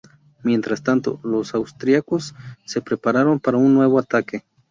Mientras tanto, los austriacos se prepararon para un nuevo ataque.